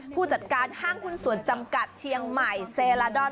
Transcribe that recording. ผู้จัดการห้างหุ้นส่วนจำกัดเชียงใหม่เซลาดอน